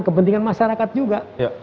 kepentingan masyarakat juga